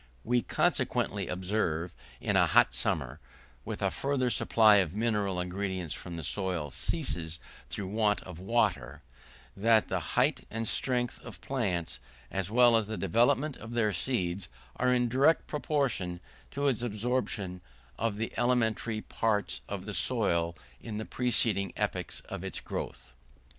We consequently observe, in a hot summer, when a further supply of mineral ingredients from the soil ceases through want of water, that the height and strength of plants, as well as the development of their seeds, are in direct proportion to its absorption of the elementary parts of the soil in the preceding epochs of its growth.